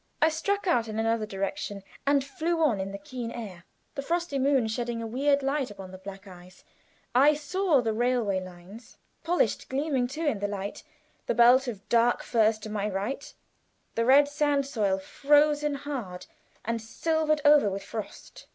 I struck out in another direction, and flew on in the keen air; the frosty moon shedding a weird light upon the black ice; I saw the railway lines, polished, gleaming too in the light; the belt of dark firs to my right; the red sand soil frozen hard and silvered over with frost.